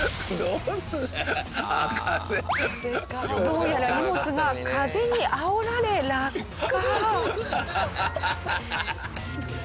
どうやら荷物が風にあおられ落下。